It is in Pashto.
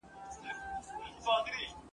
که یې ځای وو لویي وني په ځنګلوکي !.